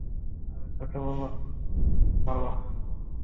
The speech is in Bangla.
আরে ছোট, ভালো?